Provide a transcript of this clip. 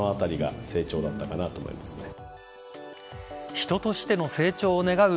人としての成長を願う